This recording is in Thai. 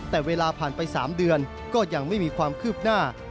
แต่เวลาผ่านไป๓เดือนก็ยังไม่มีความคืบหน้า